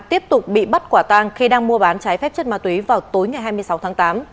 tiếp tục bị bắt quả tang khi đang mua bán trái phép chất ma túy vào tối ngày hai mươi sáu tháng tám